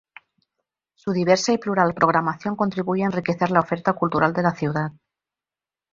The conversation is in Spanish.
Su diversa y plural programación contribuye a enriquecer la oferta cultural de la ciudad.